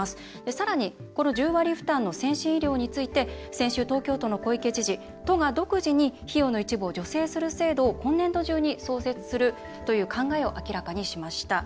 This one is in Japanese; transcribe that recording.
さらに、この１０割負担の先進医療について先週、東京都の小池知事都が独自に費用の一部を助成する制度を今年度中に創設するという考えを明らかにしました。